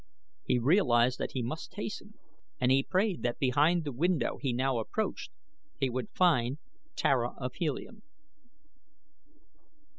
He realized that he must hasten and he prayed that behind the window he now approached he would find Tara of Helium.